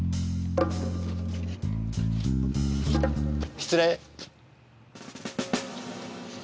失礼。